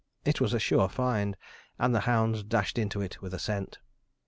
It was a sure find, and the hounds dashed into it with a scent.